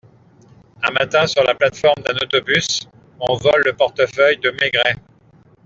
Un matin, sur la plate-forme d'un autobus, on vole le portefeuille de Maigret.